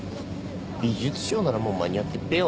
美術商ならもう間に合ってっぺよ。